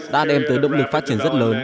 đã đem tới động lực phát triển rất lớn